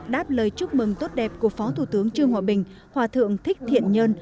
đáp lời chúc mừng tốt đẹp của phó thủ tướng trương hòa bình hòa thượng thích thiện nhân